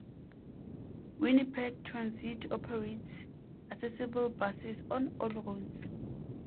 Winnipeg Transit operates accessible buses on all routes.